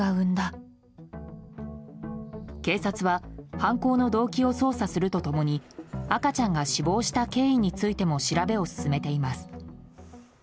警察は犯行の動機を捜査すると共に赤ちゃんが死亡した経緯についても調べを進めています。